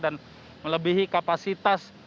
dan melebihi kapasitas